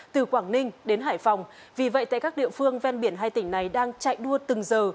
từ quảng ninh đến hải phòng vì vậy tại các địa phương ven biển hai tỉnh này đang chạy đua từng giờ